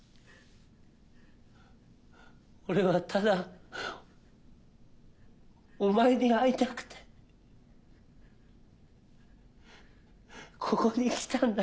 俺はただお前に会いたくてここに来たんだ。